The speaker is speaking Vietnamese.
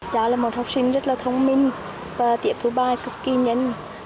giáo là một học sinh rất là thông minh và tiệm thứ ba cực kỳ nhân